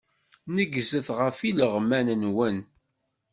Negzet ɣef ileɣman-nwen.